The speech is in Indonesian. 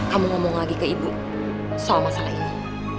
kamu ngomong lagi ke ibu soal masalah ini